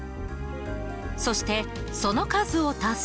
そしてその数を足すと。